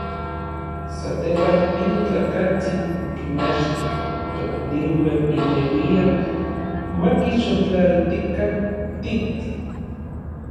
Satepan, inin tlakatsin okinmachti tokniuan inneuian makixotlaltikan titl.